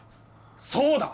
そうだ！